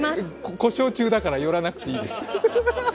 故障中だから寄らなくていいです。